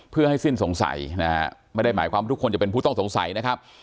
เพื่อให้สิ้นสงสัยนะฮะไม่ได้หมายความทุกคนจะเป็นผู้ต้องสงสัยนะครับ